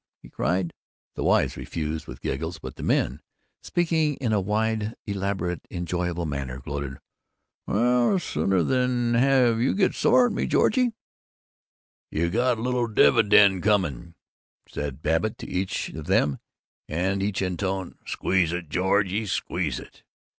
he cried. The wives refused, with giggles, but the men, speaking in a wide, elaborate, enjoyable manner, gloated, "Well, sooner than have you get sore at me, Georgie " "You got a little dividend coming," said Babbitt to each of them, and each intoned, "Squeeze it, Georgie, squeeze it!"